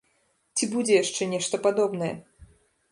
Ці будзе яшчэ нешта падобнае?